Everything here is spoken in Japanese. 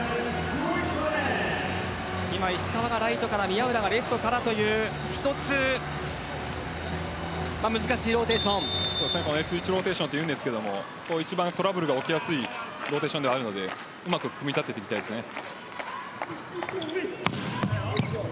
今、石川がライトから宮浦がレフトからというスイッチローテーションというんですが一番トラブルが起きやすいローテーションではあるのでうまく組み立てていきたいですね。